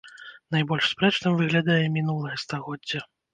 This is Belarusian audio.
Найбольш спрэчным выглядае мінулае стагоддзе.